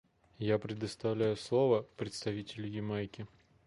Я предоставляю слово представителю Ямайки.